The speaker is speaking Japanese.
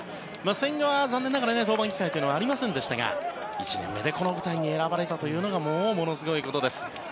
千賀は残念ながら登板機会というのはありませんでしたが１年目でこの舞台に選ばれたというのがものすごいことです。